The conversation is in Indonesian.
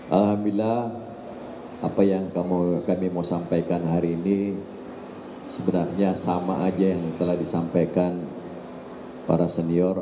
alhamdulillah apa yang kami mau sampaikan hari ini sebenarnya sama aja yang telah disampaikan para senior